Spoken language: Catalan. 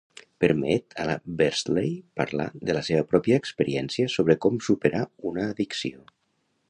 Permet a Beardsley parlar de la seva pròpia experiència sobre com superar una addicció.